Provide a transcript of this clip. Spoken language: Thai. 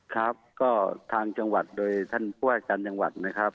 ครับก็ทางจังหวัดโดยท่านผู้ว่าการจังหวัดนะครับ